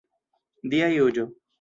Dia juĝo.